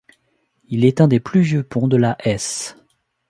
Il est un des plus vieux ponts de la Hesse.